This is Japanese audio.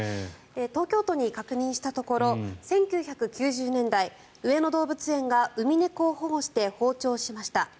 東京都に確認したところ１９９０年代上野動物園がウミネコを保護して放鳥しました。